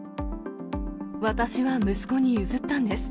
私は息子に譲ったんです。